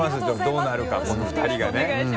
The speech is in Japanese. どうなるかこの２人がね。